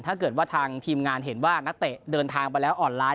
ถ้าเกิดว่าทางทีมงานเห็นว่านักเตะเดินทางไปแล้วอ่อนล้า